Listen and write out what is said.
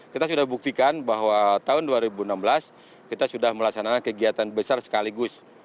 kita sudah buktikan bahwa tahun dua ribu enam belas kita sudah melaksanakan kegiatan besar sekaligus